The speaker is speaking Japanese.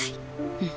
うん。